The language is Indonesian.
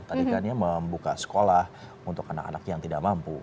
tadikannya membuka sekolah untuk anak anak yang tidak mampu